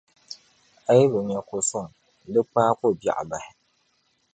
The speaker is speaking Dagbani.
A yi bi nya ko’ suŋ di kpaai ko’ biɛɣu bahi.